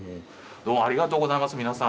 どうもありがとうございます皆さん。